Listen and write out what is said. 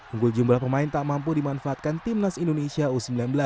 unggul jumlah pemain tak mampu dimanfaatkan timnas indonesia u sembilan belas